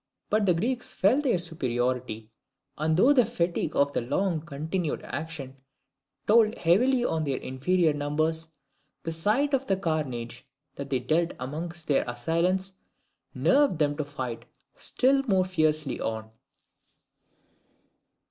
But the Greeks felt their superiority, and though the fatigue of the long continued action told heavily on their inferior numbers, the sight of the carnage that they dealt amongst their assailants nerved them to fight still more fiercely on.